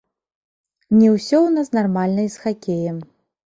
Не ўсё у нас нармальна і з хакеем.